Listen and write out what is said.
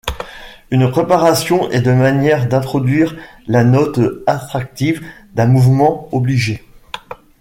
Une préparation est la manière d'introduire la note attractive d'un mouvement obligé.